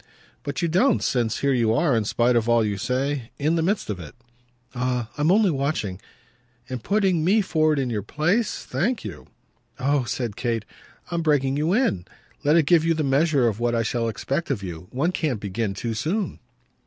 "But you don't since here you are, in spite of all you say, in the midst of it." "Ah I'm only watching !" "And putting me forward in your place? Thank you!" "Oh," said Kate, "I'm breaking you in. Let it give you the measure of what I shall expect of you. One can't begin too soon."